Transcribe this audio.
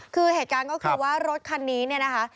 คือเหตุการณ์ก็คือว่ารถคันนี้เนี่ยนะคะ